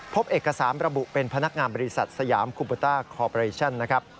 พบเอกสารประบุเป็นพนักงานบริษัทสยามกุปุตตาคอปเปอร์เรชั่น